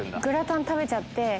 グラタン食べちゃって。